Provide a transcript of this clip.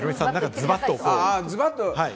ズバッと？